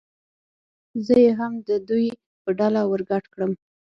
زه یې هم د دوی په ډله ور ګډ کړم.